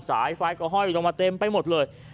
สายไฟก็ห้อยลงมาเต็มไปหมดเลย